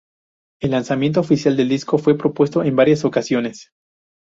El lanzamiento oficial del disco fue pospuesto en varias ocasiones.